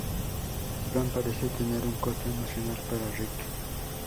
El plan parece tener un costo emocional para Rick.